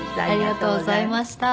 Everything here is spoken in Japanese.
ありがとうございます。